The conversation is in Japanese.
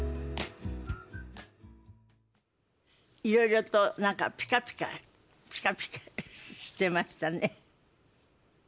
いろいろと何かピカピカピカピカしてましたね。